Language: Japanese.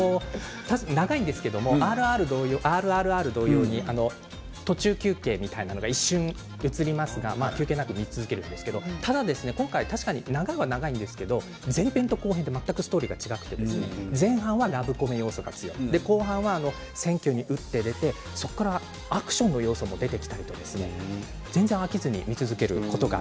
長いんですけど「ＲＲＲ」同様途中休憩みたいなものが一瞬映りますが休憩なく見続けるんですけど、ただ今回、確かに長いは長いんですけど、前編と後編で全くストーリーは違って前半はラブコメ要素が強く後半は選挙に打って出てそこからアクションの要素も出てきたりと全然飽きずに見続けることが